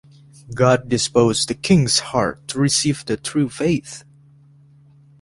God disposed the king's heart to receive the true faith.